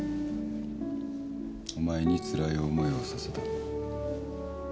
お前につらい思いをさせた。